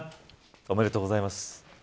おめでとうございます。